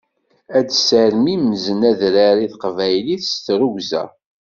Ad sermimzen adrar i taqbaylit s tirugza.